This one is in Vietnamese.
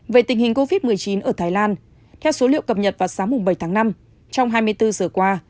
về tình hình covid một mươi chín ở thái lan theo số liệu cập nhật vào sáng bảy tháng năm trong hai mươi bốn giờ qua